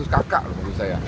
dua ratus kakak menurut saya